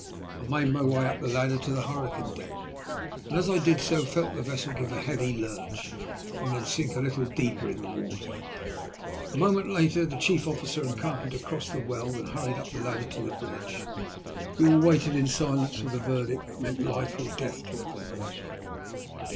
I made my way up the ladder to the hurricane deck, and as I did so felt the vessel give a heavy lurch, and then sink a little deeper in the water. A moment later the chief olBcer and carpenter crossed the well and hurried up the ladder to the bridge. We all waited in silence for the verdict that meant life or death to everybody.